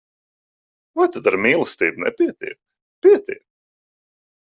Vai tad ar mīlestību nepietiek? Pietiek!